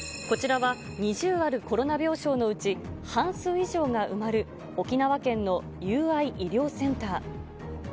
こちらは２０あるコロナ病床のうち、半数以上が埋まる沖縄県の友愛医療センター。